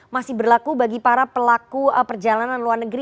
masih berlaku bagi para pelaku perjalanan luar negeri